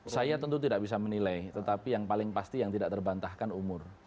saya tentu tidak bisa menilai tetapi yang paling pasti yang tidak terbantahkan umur